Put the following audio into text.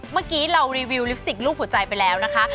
เมื่อกี้เรารีวิวลิปสติกรูปหัวใจไปแล้วนะคะ